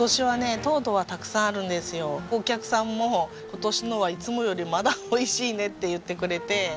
お客さんも今年のはいつもよりまだ美味しいねって言ってくれて。